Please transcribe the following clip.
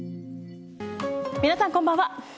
皆さん、こんばんは。